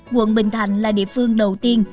quận bình thành là địa phương đầu tiên